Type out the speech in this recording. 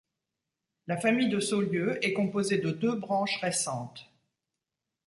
La famille de Saulieu est composée de deux branches récentes.